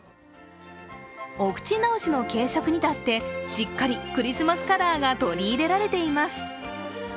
お口直しの軽食にだって、しっかりクリスマスカラーが取り入れられています。